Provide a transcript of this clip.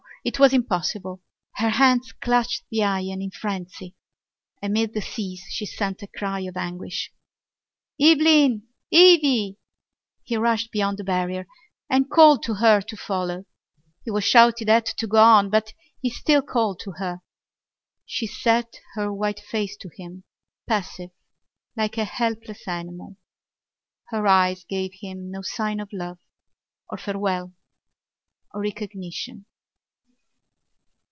It was impossible. Her hands clutched the iron in frenzy. Amid the seas she sent a cry of anguish! "Eveline! Evvy!" He rushed beyond the barrier and called to her to follow. He was shouted at to go on but he still called to her. She set her white face to him, passive, like a helpless animal. Her eyes gave him no sign of love or farewell or recognition.